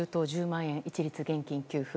１０万円一律給付